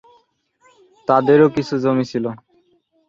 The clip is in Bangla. তাদেরও কিছু জমি ছিল।